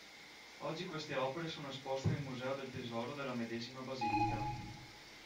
Oggi queste opere sono esposte nel Museo del Tesoro della medesima Basilica.